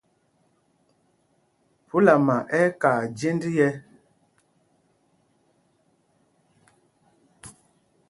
Phúlama ɛ́ ɛ́ kaa jênd yɛ́.